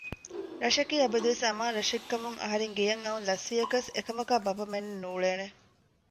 ރަށަކީ އަބަދުވެސް އަމާން ރަށެއްކަމުން އަހަރެން ގެޔަށް އައުން ލަސްވިޔަކަސް އެކަމަކާ ބައްޕަ މެންނެއް ނޫޅޭނެ